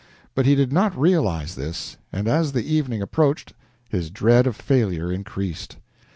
But he did not realize this, and, as the evening approached, his dread of failure increased.